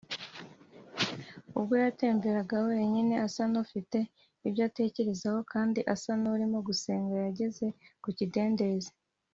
. Ubwo yatemberaga wenyine, asa n’ufite ibyo atekerezaho kandi asa n’urimo gusenga, yageze ku kidendezi.